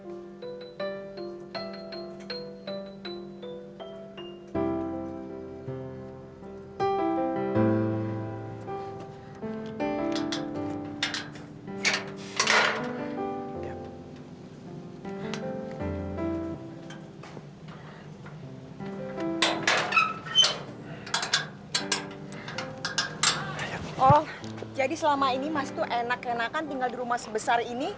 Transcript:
oh jadi selama ini mas tuh enak enakan tinggal di rumah sebesar ini